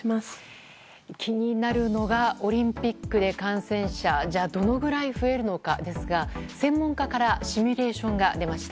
気になるのがオリンピックで感染者どれくらい増えるのかですが専門家からシミュレーションが出ました。